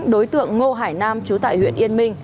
đối tượng ngô hải nam trú tại huyện yên minh